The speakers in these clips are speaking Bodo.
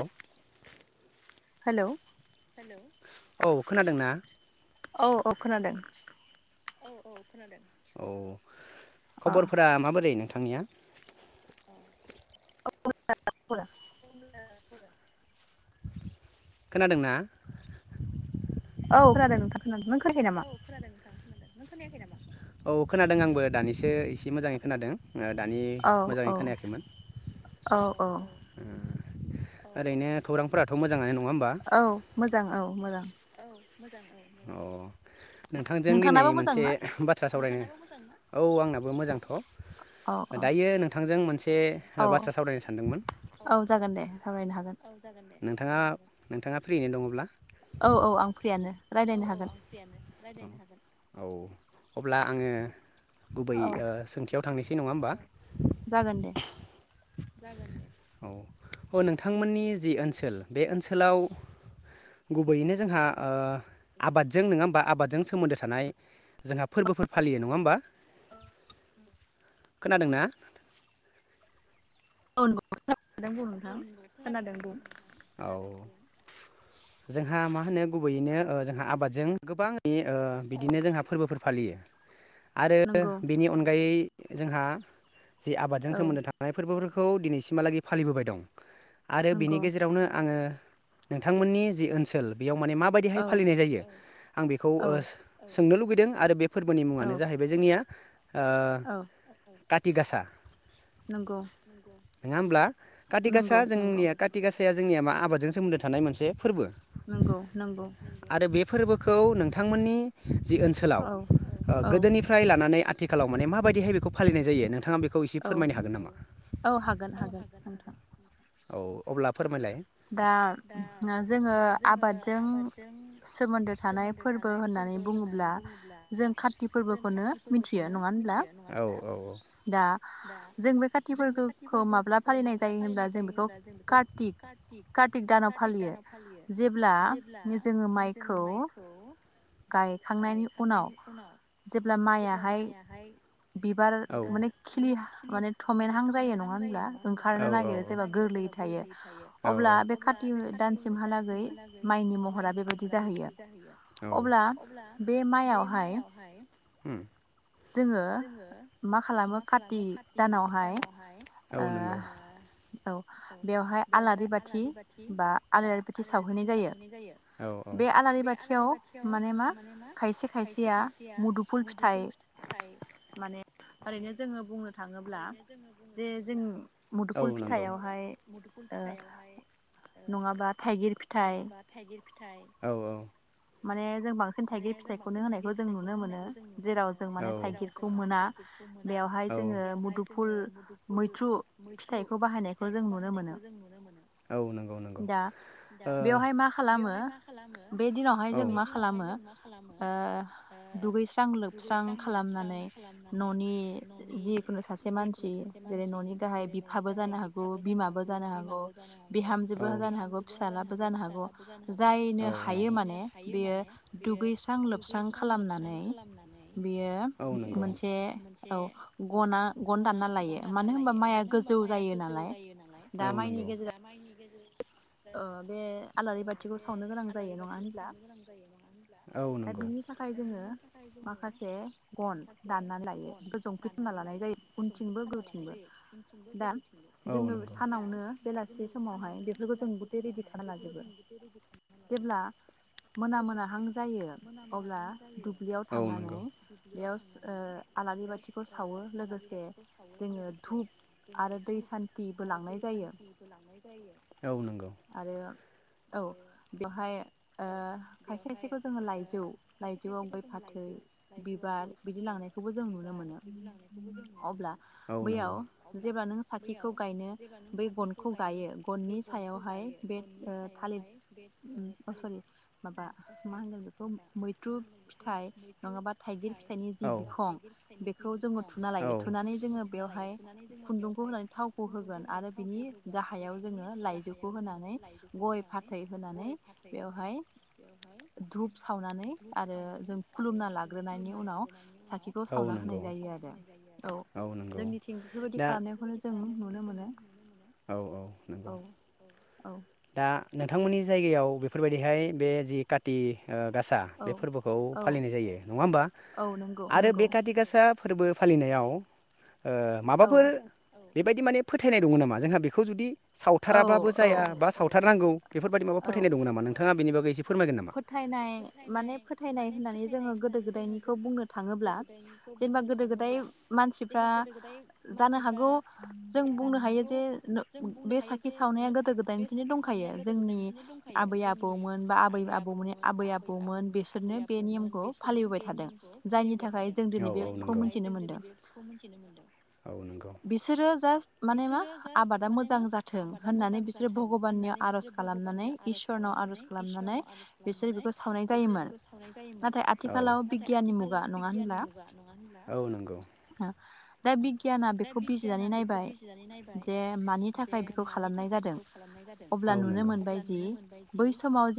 औ। हेलौ। औ खोनादों ना? औ औ खोनादों। औ औ खोनादों औ। खबरफोरा माबोरै नो थांनिया मोजाङानो। खोनादोंना औ खोनादों नोंथां। खोनायाखै नामा? खोनाखै नामा औ खोनादों आंबो दानिसो एसे मोजाङै खोनादों। ओ दानि मोजाङै खोनायाखैमोन ओ ओरैनो खौरांफोराथ' मोजाङानो नङा औ मोजां औ मोजां। अह। नोंथांजों दिनै मोनसे बाथ्रा सावरायनो औ आंनाबो मोजांथदायो नोंथांजों मोनसे बाथ्रा सावरायनो सानदोंमोन औ जागोन दे। नोंथाङा नोंथाङा फ्रियैनो दङब्ला औ औ आं फ्रियानो। रायलायनो हागोन। औ अब्ला आङो गुबै ओ सोंथियाव थांनोसै नङा होमबा जागोन दे। औ ओ नोंथांमोननि जि ओनसोल बे ओनसोलाव गुबैयैनो जोंहा ओ आबादजों नोङा होमबा आबादजों सोमोन्दो थानाय जोंहा फोरबोफोर फालियो नङा होमबा खोनादोंना? [unintelligible] औ। जोंहा मा होनो गुबैयैनो ओ जोंहा आबादजों गोबां एह बिदिनो जोंहा फोरबोफोर फालियो। आरो बिनि अनगायै जोंहा जि आबादजों सोमोन्दो थानाय फोरबोफोर खौ दिनैसिमहागै फालिबोबाय दं। [inaudible] आरो बिनि गेजेरावनो आङो। नोंथांमोननि जि ओनसोल बेयाव माने माबायदिहाय फालिनाय जायो आं बेखौ ओ सोंनो लुगैदों आरो बे फोरबोनि मुंङानो जाहैबाय जोंनिया ओ काथिग गासा नंगौ नोंङा होमब्ला? काथिग गासा जोंनिया काथिगास या जोंनिया मा आबादजों सोमोन्दो थानाय मोनसे फोरबो। नोंगौ नोंगौ। फोरबोखौ नोंथांमोननि जि ओनसोलाव ओ गोदोनिफ्राय लानानै आ थिखालाव माने माबायदिहाय बेखौ फालिनाय जायो नोंथांङा बे औ औ हागोन हागोन नोंथां। औ अब्ला फोरमायलाय दा जोंङो आबादजों सोमोन्दो थानाय फोरबो होननानै बुंङोब्ला जों कातिग फोरबोखौनो मिथियो नंङा होनब्ला औ औ औ दा जों बे कातिक फोरबोखौ माब जायो होनब्ला जों बेखौ कार्तिक कारतिक दानाव फालियो जेब्ला जोंङो माइखौ गायखांनायनि उनाव जेब्ला माइयाहाय बिबार माने खिलि माने थमेनहां जायो नंङा होनब्ला जा औऔ ओंखारनो नागिरो जेब्ला गोरलैयै थायो औऔ अब्ला बे कार्तिक दानसिमहालागै माइनि महरा बेबायदि जाहैया औ अब्ला बे माइयावहाय उम जोंङो मा खालामो काति दानावहाय औ नंगौ ओ औ बेवहाय आलारि बाथि बा आलारि बाथि सावहैनाय जायो बे आलारि बाथियाव माने मा खायसे खायसेया मुदुफुल फिथाय माने ओरैनो जोंङो बुंनो थांङोब्ला जे जों मुदुफुल फिथाइयावहाय ओ नंङाबा थाइगिर फिथाइ फिथाय औ औ माने जों बांसिन थाइगिर फिथाइखौनो होनायखौ जों नुनो मोनो जेराव जों माने थाइगिरखौ मोना बेवहाय जोंङो मुदुफुल मैथ्रु मैथ्रु फिथाइखौ बाहायनायखौ जों नुनो मोनो औ नंगौ नंगौ ओ बेवहाय मा खालामो फार जों मा खालामो दुगैस्रां लोबस्रां खालामनानै न'नि जिखुनु सासे मानसि जेरै न'नि जेरै ननि थाखाय बिफाबो जानो हागौ बिमाबो जानो हागौ बिहामजोबो जानो हागौ फिसाज्लाबो जानो हागौ जायनो बेयो दुगैस्रां लोबस्रां खालामनानै बियो मोनसे औ गन गन दानना लायो मानो होनबा मानो होनबा माइआ गोजौ जायो नालाय औ नोंगौ दा माइनि नंगौ बे आलारि बाथिखौ सावनो गोनां जायो नङा होनब्ला। दा बिनि थाखाय जोङो माखासे गन दाननानै लायो बिखौ जंफिट खालामना लानाय जायो उनथिंबो गोजौथिंबो। उनथिंबो गोजौथिंबो औ नंगौ दा दिनै सानावनो बेलासि समावहाय बेफोरखौ जों रेदि खालामना लाजोबो जेब्ला। जायो अब्ला दुब्लियाव थांनानै बेयाव ओ आलारि बाथिखौ सावो लोगोसे जोङो धुप। आरो दै सान्थिबो लांनाय जायो। आरो औ बेवहाय खायसे खायसेखौ जोङो लाइजौ लाइजौआव गय फाथै बिबार बिदि लांनायखौबो जों नुनो मोनो अब्ला बैयाव। जेब्ला नों साखिखौ गायनो बै गनखौ गायो। गननि सायावहाय बे थालिर सरि माबा मा होनगोन बेखौ मैथ्रु फिथाइ नङाबा थाइगिर फिथाइनि जि बिखं बेखौ जोङो थुना लायो थुनानै जोङो बेवहाय। खुन्दुंखौ होनानै थावखौ होगोन आरो बिनि गाहायाव। बेनि गाहायाव जोङो लाइजौखौ होनानै गय फाथै होनानै बेवहाय धुप सावनानै आरो जों खुलुमना लाग्रोनायनि उनाव औ नंगौ साखिखौ सावना होनाय जायो आरो औ नोंगौ। जोंनिथिं बेफोर बायदि खालामनायखौनो जों नुनो मोनो। नंगौ औ दा। नोंथांमोननि जायगायाव बेफोर बायदिहाय बे जि काति। ओ गासा बे फोरबोखौ फालिनाय जायो नङा होमबा आरो बे काति गासा फोरबो फालिनायाव। ओ माबाफोर बेबायदि माने फोथायनाय दङ नामा जोंहा बेखौ जुदि सावथाराबाबो जाया बा सावथारनांगौ बेफोरबायदि माबा फोथायनाय दं नामा नोंथां? थाङा बेनि बागै एसे फोथायनाय माने फोथायनाय होननानै जोङो गोदो गोदायनिखौ बुंनो थाङोब्ला जेनेबा गोदो गोदाय मानसिफ्रा गोदो गोदाय मानसिफ्रा जानो हागौ जों बुंनो हायो जे बे साखि सावनाया गोदो गोदायनिफ्रायनो दंखायो जोंनि आबै आबौ आबौमोननि आबै आबौमोन बिसोरनो बे नियमखौ फालिबोबाय थादों। जायनि थाखाय जों दिनै बेखौ मिथिनो मोनदों आ औ नंगौ बिसोरो जासत माने मा आबादा मोजां जाथों होननानै बिसोरो भगबाननियाव आरज खालामनानै इसोरनाव आरज खालामनानै बिसोर बेखौ सावनाय जायोमोन औ नाथाय आथिखालाव बिगियाननि मुगा नङा होनब्ला। औ नंगौ। दा बिगियाना बे बिगियाना बेखौ बिजिनानै नायबाय जे मानि थाखाय बेखौ खालामनाय जादों। औ नंगौ। अब्ला नुनो मोनबायदि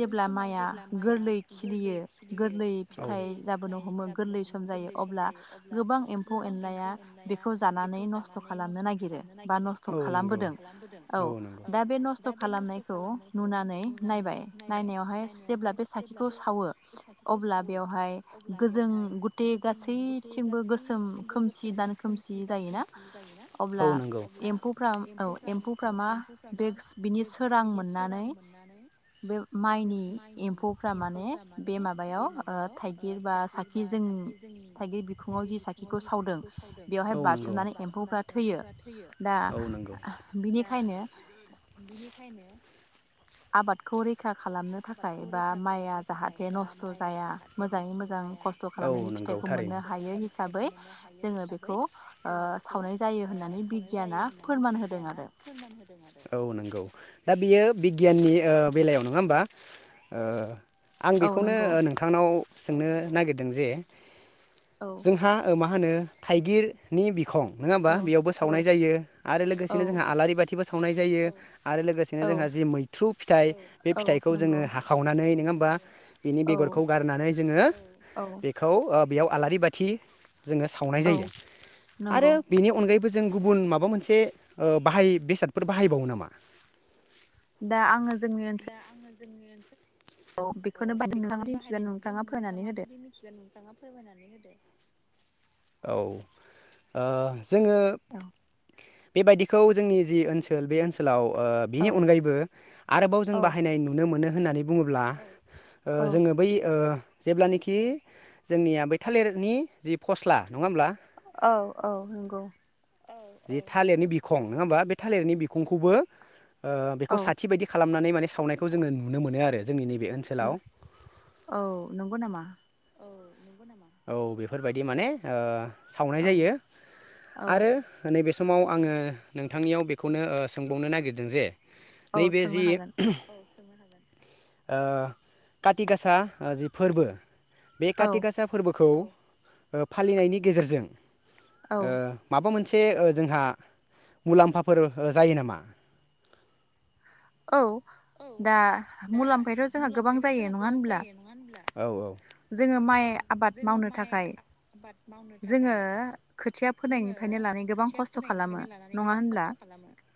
बै समाव जेब्ला माइआ गोरलै खिलियो। औ। गोरलै फिथाइ जाबोनो हमो गोरलै सम जायो अब्ला गोबां बा बेखौ जानानै नसथ खालामनो नो बा नस्थ' खालामदों औ दा बे खालामनायखौ नुनानै नायबाय नायनायावहाय जे साखिखौ सावो अ बेयावहाय गोजों गुदि गासैथिंबो गोसोम खोमसि खोमसि दान खोमसि औ नंगौ औ नंगौ औ नंगौ आबादखौ रैखा खालामनो थाखाय बा माइआ जाहाथे नस्थ जाया मोजाङै मोजां खस्थ खालामनायनि फिथाइखौ मोननो हायो हिसाबै जोङो बेखौ ओ सावनाय जायो होननानै बिगियाना फोरमान होदों आरो। औ नंगौ दा बियो बिगियाननि ओ बेलायाव नङा होमबा आं बेखौनो नोंथांनाव सोंनो नागिरदों जे जोंहा ओमा मा होनो थाइगिरनि बिखं नङा होमबा बेयावबो सावनाय जायो आरो लोगोसेनो जोंहा आलारि बाथिबो सावयो सावनाय जायो आरो लोगोसेनो जोंहा जि मैथ्रु फिथाइ बे फिथाइखौ जोङो हाखावनानै नोङ बा बिनि बेगरखौ गारनानै जोङो बेखौ बेयाव आलारि बाथि जोङो सावनाय जायो आरो बेनि अनगायैबो बोजों गुबुन माबा मोनसे ओ बाहाय बेसादफोर बाहायबावो नामा? दा आङो जोंनि ओनसोल जोंनि ओनसोल औ बेखौनो बाय नोंथाङा मिथिगोन नोंथाङा फरायनानै होदो नोंथाङा फोरमायनानै होदो औ ओ जोङो बेबायदिखौ जोंनि जि ओनसोल बे ओनसोलाव ओ बिनि अनगायैबो आरोबाव जों बाहायनाय नुनो मोनो होननानै बुङोब्ला ओ जोङो बै ओ जेब्लानिखि जोंनिया बै थालिरनि जि फस्ला नङा होमब्ला? औ औ नोंगौ जि थालिरनि बिखं नङा होमबा बे थालिरनि बिखंखौबो ओ बेखौ साथि बायदि खालामनानै मान बे सावनायखौ जोङो नुनो मोनो आरो उम औ नंगौ नाम? औ बेफोरबायदि माने ओ सावनाय जायो। आरो नैबे स समाव आङो नोंथांनियाव बेखौनो ओ सोंबावनो नागिरदों जे नैबे जि ओ काति गासा ओ जि फोरबो बे काति गासा फोरबोखौ ओ फालिनायनि गेजेरजों ओ मोनसे ओ जोंहा मुलाम्फाफोर ओ जायो नामा? औ दा मुलाम्फायाथ जोंहा गोबां जायो नङा होनब्ला औ औ जोङो माइ आबाद मावनो थाखाय जोङो खोथिया फो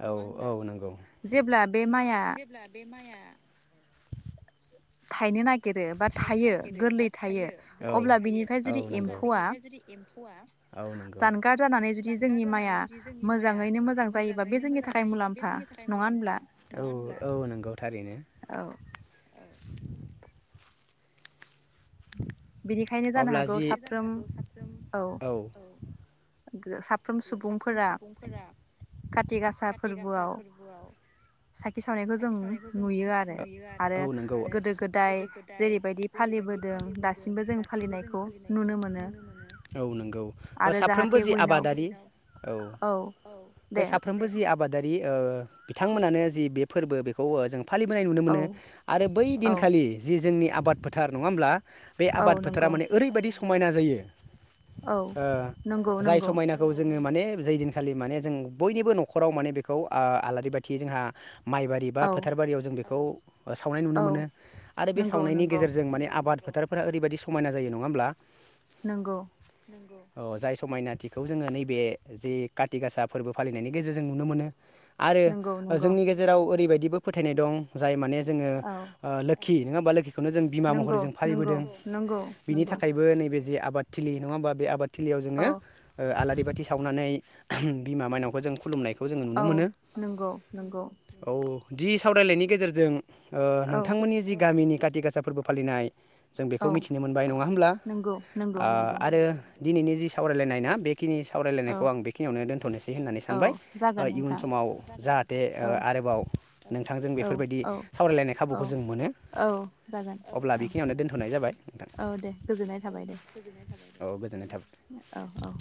औ औ नंगौ थायनो नागिरो बा थायो गोरलै थायो अब्ला बिनिफ्राय जुदि एम्फौआ जान औ औ नोंगौ थारैनो बेनिखायनो जानो हागौ साफ्रोम औ [unintelligible] साफ्रोम सुबुंफोरा काति गासा फोरबोआव साखि सावनायखौ जों नुयो आरो आरो गोदो गोदाय जेरैबायदि फालिबोदों दासिम औ नंगौ ओ साफ्रोमबो जि आबादारि औ बे साफ्रोमबो जि आबादारि रो ओ बिथांमोनानो जि बे फोरबो बेखौ ओ जों फालिबोनाय नुनो मोनो आरो बै दिनखालि जि जोंनि आबाद फोथार नङा होनब्ला बे आबाद फोथोरा माने ओरैबायदि स समायना जायो। ओ जाय समायना माने जै दिनखालि माने जों बयनिबो नखराव माने बेखौ आ आलारि बाथि जोंहा माइबारि बा फोथारबारियाव जों बेखौ सावनाय नुनो मोनो आरो बे सावनायनि गेजेरजों माने आबाद फोथारफोरा ओरैबायदि समायना जायो नङा होमब्ला? नोंगौ। औ जाय समायनाथि बेखौ जोङो नैबे जि काति गासा फोरबो फालिनायनि गेजेरजों नुनो मोनो। आरो जोंनि गेजेराव ओरैबायदि बो फोथायनाय दं जाय माने जोङो ओ लोखि नोङा होमब्ला लोखि बेखौनो जों बिमा महरै जों फालिबोदों बिनि थाखायबो नैबे जे आब आबादथिलि नङाबा बे आबाद थिलियाव जोङो आलारि बाथि सावनानै बिमा मायनावखौ जों खुलुमनायखौ औ नंगौ नंगौ। दि सावरायलायनि गेजेरजों ओ नोंथांमोननि जि गामिनि काथि गासा फोरबो फालिनाय जों बेखौ मिथिनो मोनबाय नङा होमब्ला? ओ आरो दिनैनि जि सावरायलायनाय ना बेखिनि सावरायलायनायखौ आं बेखिनियावनो दोनथनोसै होननानै सानबाय। इयुन समाव जाहाथे ओ आरोबाव नोंथांजों बेफोरबायदि सावरायलायनाय खाबुखौ जों मोनो। अब्ला बेखिनियावनो दोन्थनाय जाबाय नोंथां। औ गो औ औ।